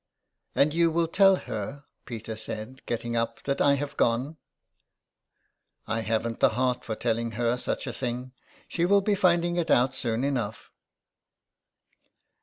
''And you will tell her," Peter said, getting up, '' that I have gone." " I haven't the heart for telling her such a thing. She will be finding it out soon enough."